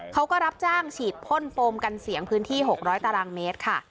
เขาก็รับจ้างฉีดพ่นโฟมกันเสียงพื้นที่๖๐๐ตารางเมตรค่ะ